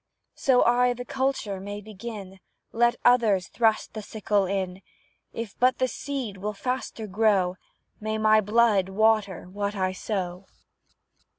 So I the culture may begin, Let others thrust the sickle in; If but the seed will faster grow, May my blood water what I sow!